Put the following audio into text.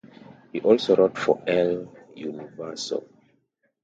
He also wrote for "El Universo".